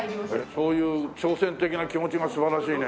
そういう挑戦的な気持ちが素晴らしいね。